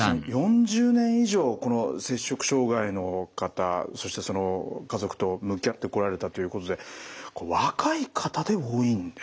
４０年以上この摂食障害の方そしてその家族と向き合ってこられたということで若い方で多いんですか？